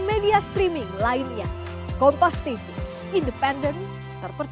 media streaming lainnya kompas tv independent terpertimbangkan